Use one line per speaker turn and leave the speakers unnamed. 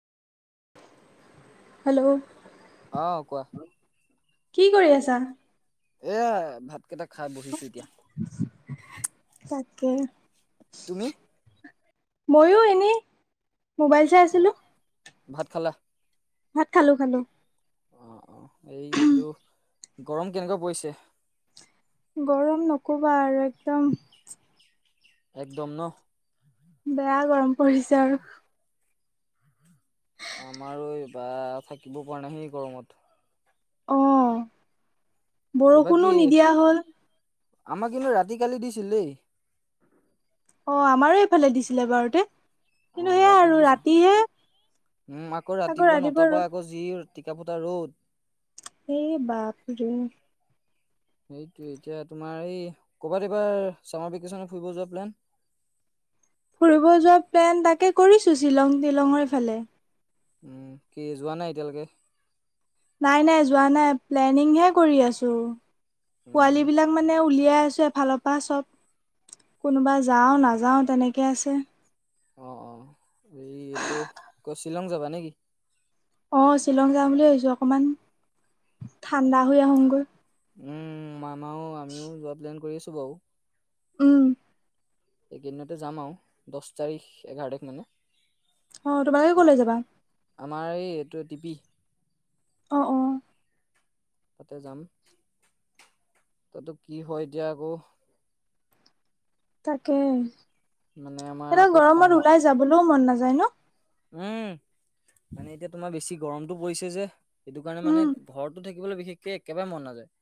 Hello.
অ', কোৱা।
কি কৰি আছা?
এ ভাতকেইটা খাই বহিছো এতিয়া।
তাকে।
তুমি
মইও এনেই, মোবাইল চাই
অ',
আছিলো।
ভাত খালা?
ভাত খালোঁ খালোঁ।
অ', অ', এই এইটো, গৰম কেনেকুৱা পৰিছে?
গৰম নক'বা আৰু একদম।
একদম ন?
বেয়া গৰম পৰিছে আৰু।
আমাৰো এই বাঃ থাকিব পৰা নাই দেই গৰমত।
অ'
এইব
বৰষুণো
কি?
নিদিয়া হ'ল।
আমাৰ কিন্তু ৰাতি কালি দিছিল দেই।
অ', আমাৰো এইফালে দিছিলে বাৰুতে। কিন্তু
অ',
সেয়া
ৰাতি
আৰু
দিছে,
ৰাতিহে
উম আকৌ ৰাতিপুৱা নটাৰ পৰা আকৌ যিহে টিকা ফতা ৰ'দ।
এই বাপৰে।
সেইটোৱেই, এতিয়া তোমাৰ এই ক'ৰবাত এইবাৰ চামাৰ ভেকেশ্যনত ফুৰিব যোৱা প্লেন?
ফুৰিব যোৱা প্লেন তাকে কৰিছোঁ, শ্বিলং তিলঙৰফালে।
কি যোৱা নাই এতিয়ালৈকে?
নাই নাই, যোৱা নাই, প্লেনিংহে কৰি আছোঁ।
উম,
পোৱালী বিলাক মানে উলিয়াই আছোঁ, এফালৰ পৰা চব। কোনোবা যাওঁ নাযাওঁ, তেনেকৈ আছে।
অ', অ', হেৰি এইটো, ক'ত শ্বিলং যাবা নেকি?
অ', শ্বিলং যাাম বুলি ভাবিছোঁ, অকণমান ঠাণ্ডা হৈ আহোঁগৈ।
উম, মামাও, আমিও যোৱা প্লেন কৰি আছোঁ বাৰু।
উম।
এই কেইদিনতে যাম আৰু, দহ তাৰিখ এঘাৰ তাৰিখ মানে।
অ', তোমালোকে ক'লৈ যাবা?
আমাৰ এই, এইটো টিপি।
অ', অ'।
তাতেই যাম, তাতো কি হয়, এতিয়া আকৌ।
তাকেই,
মানে আমাৰ
এইডাল
আকৌ
গৰমত
সময়
ওলাই যাবলৈও মন নাযায় ন।
উম, মানে এতিয়া তোমাৰ বেছি গৰমটো পৰিছে যে, সেইটো কাৰণে মানে
উম
ঘৰতো থাকি শিকিবলৈ বিশেষকে একেবাৰে মন নাযায়।